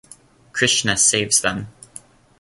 Krishna saves them.